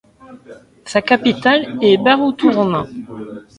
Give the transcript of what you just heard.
Sa capitale est Baruunturuun.